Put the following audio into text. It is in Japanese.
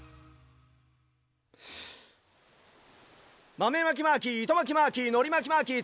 まめまきマーキーいとまきマーキーのりまきマーキー